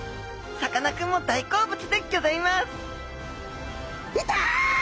さかなクンも大好物でギョざいます！